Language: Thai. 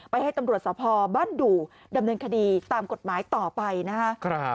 ให้ตำรวจสภบ้านดู่ดำเนินคดีตามกฎหมายต่อไปนะคะ